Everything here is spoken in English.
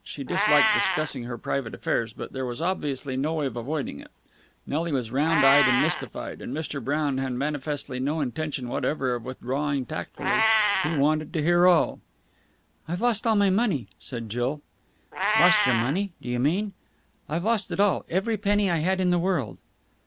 She disliked discussing her private affairs, but there was obviously no way of avoiding it. Nelly was round eyed and mystified, and Mr. Brown had manifestly no intention whatever of withdrawing tactfully. He wanted to hear all. "I've lost my money," said Jill. "Lost your money! Do you mean...?" "I've lost it all. Every penny I had in the world."